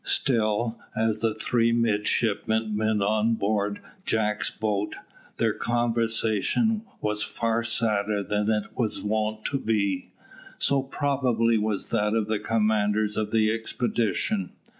Still, as the three midshipmen met on board Jack's boat, their conversation was far sadder than it was wont to be. So probably was that of the commanders of the expedition.